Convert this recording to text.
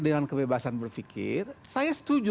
dengan kebebasan berpikir saya setuju